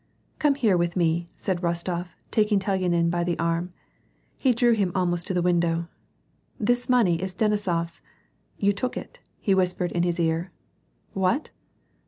" Come here with me," said Rostof, taking Telyanin by the arm. He drew him almost to the window. " This money is Denisofs ! You took it " he whispered in his ear. "What?